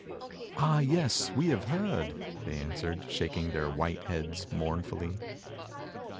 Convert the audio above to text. "Ah! yes, we have heard," they answered, shaking their white heads mournfully.